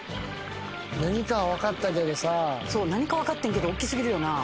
何かはわかったけどさ何かわかってんけど大きすぎるよな